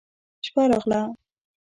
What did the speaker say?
شپه راغله.